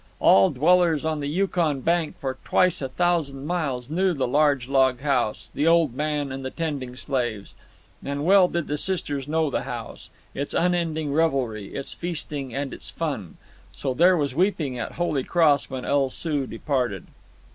All dwellers on the Yukon bank for twice a thousand miles knew the large log house, the old man and the tending slaves; and well did the Sisters know the house, its unending revelry, its feasting and its fun. So there was weeping at Holy Cross when El Soo departed.